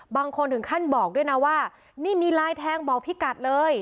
บางคนถึงขั้นบอกด้วยนะว่านี่มีลายแทงบอกพี่กัดเลย